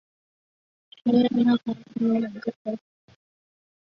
前缘的阀门有两个小皱褶。